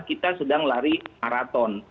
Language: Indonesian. kita sedang lari maraton